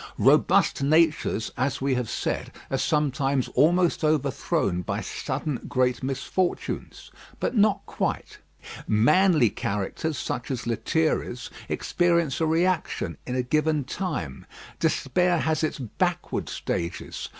Robust natures, as we have said, are sometimes almost overthrown by sudden great misfortunes; but not quite. Manly characters such as Lethierry's experience a reaction in a given time. Despair has its backward stages.